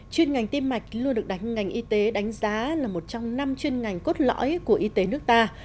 chuyên ngành tim mạch luôn được đánh ngành y tế đánh giá là một trong năm chuyên ngành cốt lõi của y tế nước ta